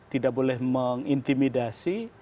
tidak boleh mengintimidasi